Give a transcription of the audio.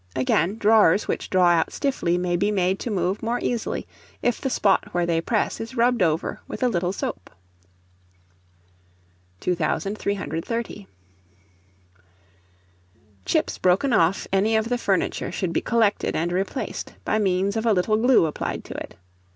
Again, drawers which draw out stiffly may be made to move more easily if the spot where they press is rubbed over with a little soap. 2330. Chips broken off any of the furniture should be collected and replaced, by means of a little glue applied to it.